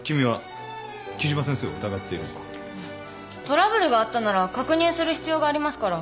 トラブルがあったなら確認する必要がありますから。